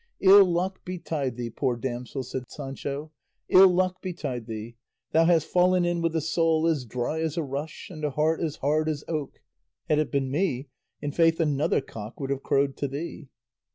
"Ill luck betide thee, poor damsel," said Sancho, "ill luck betide thee! Thou hast fallen in with a soul as dry as a rush and a heart as hard as oak; had it been me, i'faith 'another cock would have crowed to thee.